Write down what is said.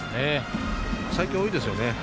最近多いですよね。